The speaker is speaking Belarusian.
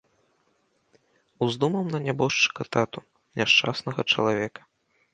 Уздумаў на нябожчыка тату, няшчаснага чалавека.